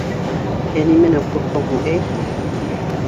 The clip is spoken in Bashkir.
Ә нәмәнән ҡурҡтың һуң әйт?